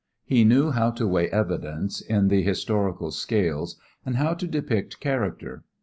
He knew how to weigh evidence in the historical scales and how to depict character.